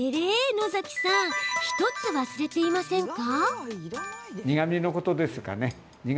野崎さん１つ忘れていませんか？